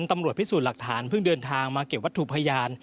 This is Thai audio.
ตำรวจพิสูจน์หลักฐานเพิ่งเดินทางมาเก็บวัตถุพยาน